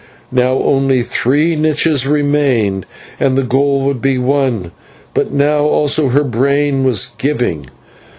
Now only three niches remained and the goal would be won, but now also her brain was giving.